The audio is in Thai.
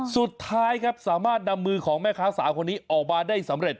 สุดท้ายครับสามารถนำมือของแม่ค้าสาวคนนี้ออกมาได้สำเร็จ